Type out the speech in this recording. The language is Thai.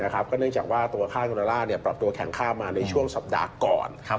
ก็เนื่องจากว่าตัวค่าเงินดอลลาร์ปรับตัวแข็งค่ามาในช่วงสัปดาห์ก่อน